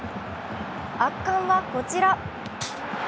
圧巻はこちら。